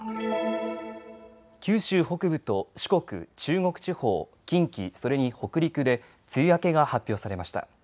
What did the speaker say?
九州北部と四国、中国地方、近畿、それに北陸で梅雨明けが発表されました。